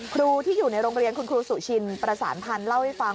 ครูที่อยู่ในโรงเรียนคุณครูสุชินประสานพันธ์เล่าให้ฟัง